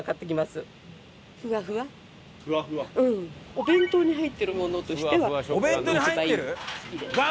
お弁当に入ってるものとしては一番好きです。